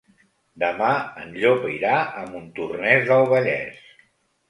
Demà en Llop irà a Montornès del Vallès.